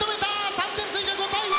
３点追加５対１。